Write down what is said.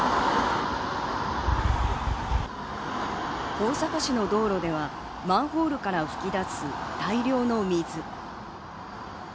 大阪市の道路ではマンホールから噴き出す大量の水。